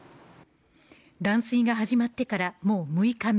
断水が始まってからもう６日目。